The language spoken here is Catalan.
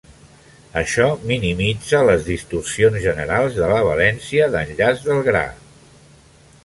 Això minimitza les distorsions generals de la valència d'enllaç del gra.